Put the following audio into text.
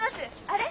あれ？